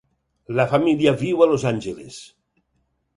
La família viu a Los Angeles.